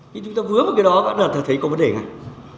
khi chúng ta vướng vào cái đó bắt đầu thấy có vấn đề này